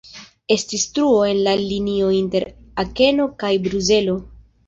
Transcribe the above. Estis truo en la linio inter Akeno kaj Bruselo.